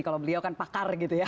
kalau beliau kan pakar gitu ya